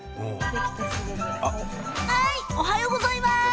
おはようございます。